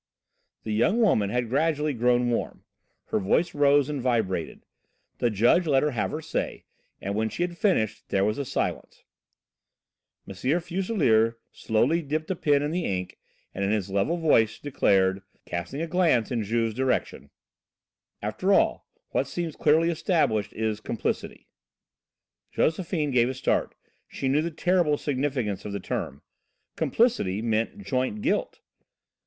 The young woman had gradually grown warm, her voice rose and vibrated. The judge let her have her say, and when she had finished there was a silence. M. Fuselier slowly dipped a pen in the ink, and in his level voice declared, casting a glance in Juve's direction: "After all, what seems clearly established is complicity." Josephine gave a start she knew the terrible significance of the term. Complicity meant joint guilt.